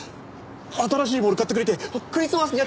新しいボールを買ってくれてクリスマスには。